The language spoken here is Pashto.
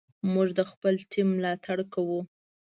موږ د خپل ټیم ملاتړ کوو.